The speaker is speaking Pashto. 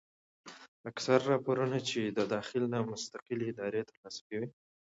اکثره راپورنه چې د داخل نه مستقلې ادارې تر لاسه کوي